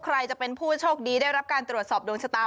ใครจะเป็นผู้โชคดีได้รับการตรวจสอบดวงชะตา